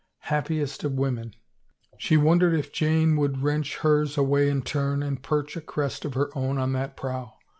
" Happiest of Women !'* She wondered if Jane would wrench hers away in turn and perch a crest of her own on that prow.